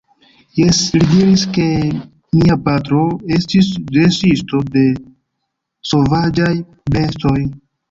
Jes, li diris, ke mia patro estas dresisto de sovaĝaj bestoj.